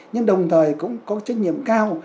nhưng đồng thời cũng có trách nhiệm cao